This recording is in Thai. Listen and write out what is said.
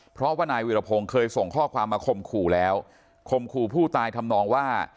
เพราะว่านายวิรพงศ์เคยส่งข้อความมาข่มขู่แล้วคมขู่ผู้ตายทำนองว่า